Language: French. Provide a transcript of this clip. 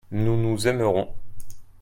nous, nous aimerons.